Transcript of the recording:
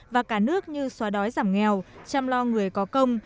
và cả nước như xóa đói giảm nghèo chăm lo người có công